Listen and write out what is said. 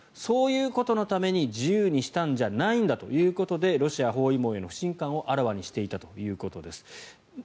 そういうことのために自由にしたんじゃないんだということでロシア包囲網への不信感をあらわにしていたということです。